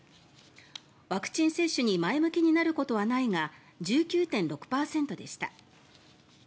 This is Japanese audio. ワクチン接種に前向きになることはないが１９．６％でした。